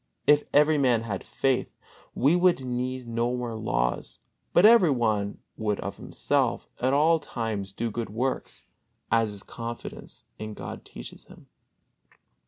If every man had faith, we would need no more laws, but every one would of himself at all times do good works, as his confidence in God teaches him.